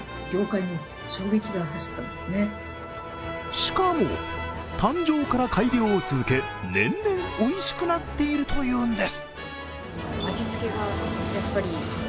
しかも、誕生から改良を続け年々、おいしくなっているというんです。